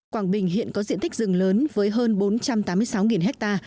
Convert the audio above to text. quảng bình hiện có diện tích rừng lớn với hơn bốn trăm tám mươi sáu ha